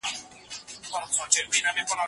مسواک باید په نرمۍ سره وکارول شي.